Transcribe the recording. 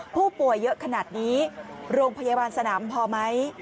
ผู้ป่วยเยอะขนาดนี้โรงพยาบาลสนามพอไหม